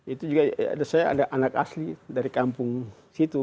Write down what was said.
itu juga saya ada anak asli dari kampung situ